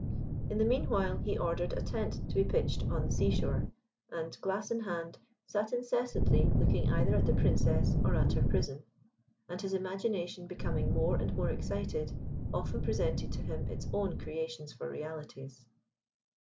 In the meanwhile he ordered a tent to be pitched on the sea shore, and, glass in hand, sat incessantly looking either at the Princess or at her prison, and his imagination becoming more and more excited, often presented to him its own creations for realities.